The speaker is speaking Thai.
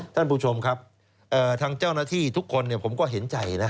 ท่านผู้ชมครับทางเจ้าหน้าที่ทุกคนผมก็เห็นใจนะ